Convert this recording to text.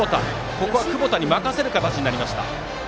ここは窪田に任せる形になりました。